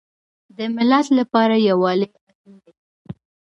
د ملت لپاره یووالی اړین دی